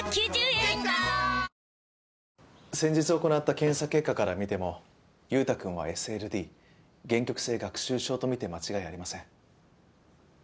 先日行った検査結果から見ても優太くんはＳＬＤ限局性学習症とみて間違いありません。